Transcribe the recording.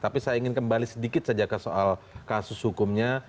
tapi saya ingin kembali sedikit saja ke soal kasus hukumnya